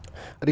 giới thiệu về